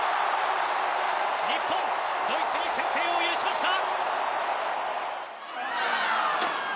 日本、ドイツに先制を許しました。